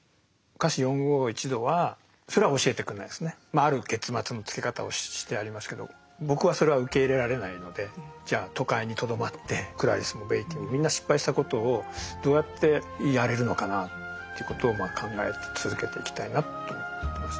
ある結末のつけ方をしてありますけど僕はそれは受け入れられないのでじゃあ都会にとどまってクラリスもベイティーもみんな失敗したことをどうやってやれるのかなということを考え続けていきたいなと思ってますね。